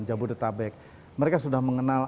jabodetabek mereka sudah mengenal